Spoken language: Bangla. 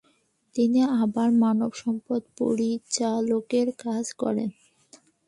তিনিই আবার মানব সম্পদের পরিচালকের কাজ করেন।